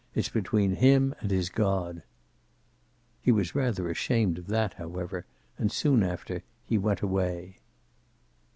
It's between him and his God." He was rather ashamed of that, however, and soon after he went away.